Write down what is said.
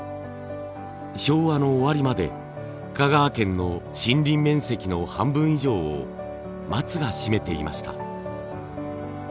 昭和の終わりまで香川県の森林面積の半分以上を松が占めていました。